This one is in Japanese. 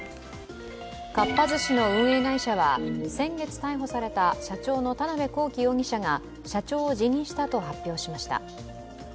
かっぱ寿司の運営会社は先月逮捕された社長の田辺公己容疑者が社長を辞任したと発表しました。